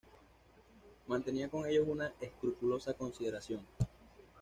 Mantenía con ellos una escrupulosa consideración.